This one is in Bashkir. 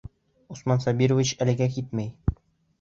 Усман Сабирович әлегә китмәй.